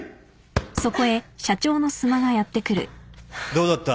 ・どうだった？